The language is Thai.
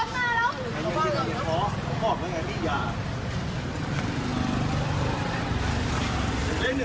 เดี๋ยวเล่นหนึ่งเข้าหนึ่งดีครับผมไม่ไหว